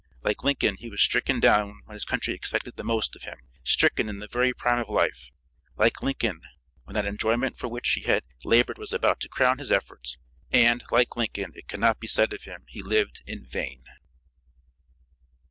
Like Lincoln, he was stricken down when his country expected the most of him, stricken in the very prime of life. Like Lincoln, when that enjoyment for which he had labored was about to crown his efforts; and like Lincoln, it could not be said of him he lived in vain.